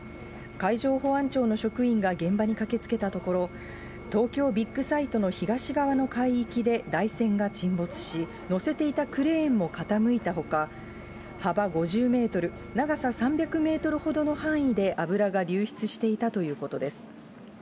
海上保安庁の職員が現場に駆けつけたところ、東京ビッグサイトの東側の海域で台船が沈没し、載せていたクレーンも傾いたほか、幅５０メートル、長さ３００メートルほどの範囲で油が流出していたということです。